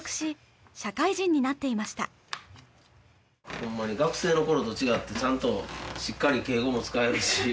ホンマに学生の頃と違ってちゃんとしっかり敬語も使えるし。